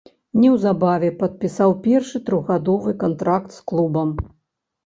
Неўзабаве падпісаў першы трохгадовы кантракт з клубам.